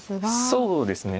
そうですね。